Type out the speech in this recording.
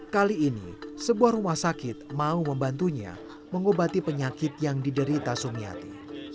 kali ini sebuah rumah sakit mau membantunya mengobati penyakit yang diderita sumiati